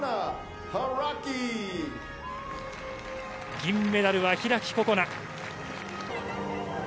銀メダルは開心那。